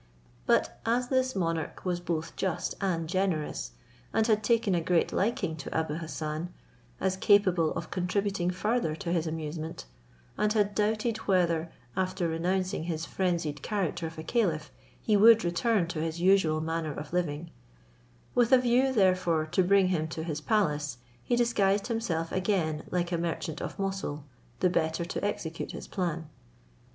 But as this monarch was both just and generous, and had taken a great liking to Abou Hassan, as capable of contributing further to his amusement, and had doubted whether, after renouncing his frenzied character of a caliph, he would return to his usual manner of living; with a view therefore to bring him to his palace, he disguised himself again like a merchant of Moussul, the better to execute his plan.